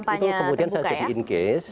pada saat itu kemudian saya jadi in case